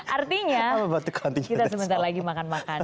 artinya kita sebentar lagi makan makan